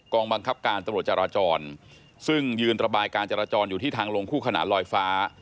บังคับการตำรวจจราจรซึ่งยืนระบายการจราจรอยู่ที่ทางลงคู่ขนานลอยฟ้า